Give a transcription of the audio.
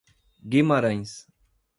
Guimarães